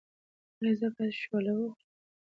ایا زه باید شوله وخورم؟